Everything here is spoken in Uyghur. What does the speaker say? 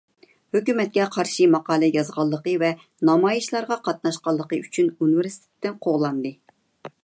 ھۆكۈمەتكە قارشى ماقالە يازغانلىقى ۋە نامايىشلارغا قاتناشقانلىقى ئۈچۈن ئۇنىۋېرسىتېتتىن قوغلاندى.